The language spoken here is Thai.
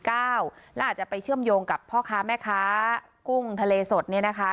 แล้วอาจจะไปเชื่อมโยงกับพ่อค้าแม่ค้ากุ้งทะเลสดเนี่ยนะคะ